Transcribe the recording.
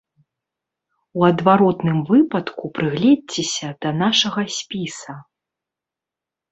У адваротным выпадку прыгледзьцеся да нашага спіса.